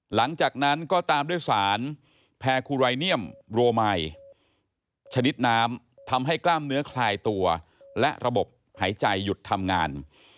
หลังจากนั้นก็ตามด้วยสารแพรคูไรเนียมโรไมชนิดน้ำทำให้กล้ามเนื้อคลายตัวและระบบหายใจหยุดทำงาน